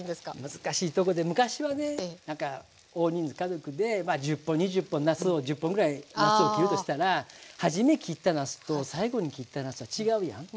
難しいとこで昔はね何か大人数家族でまあ１０本２０本なすを１０本ぐらいなすを切るとしたらはじめ切ったなすと最後に切ったなすは違うやん。